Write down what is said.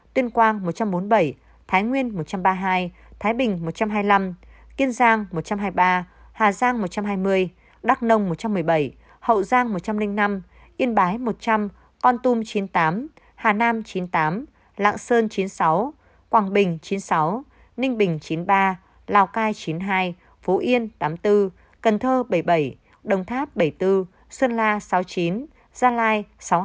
tuyên quang một trăm bốn mươi bảy thái nguyên một trăm ba mươi hai thái bình một trăm hai mươi năm kiên giang một trăm hai mươi ba hà giang một trăm hai mươi đắk nông một trăm một mươi bảy hậu giang một trăm linh năm yên bái một trăm linh con tum chín mươi tám hà nam chín mươi tám lạng sơn chín mươi sáu quảng bình chín mươi sáu ninh bình chín mươi ba lào cai chín mươi hai phú yên tám mươi bốn cần thơ bảy mươi bảy đồng tháp bảy mươi bốn xuân la sáu mươi chín gia lai sáu mươi hai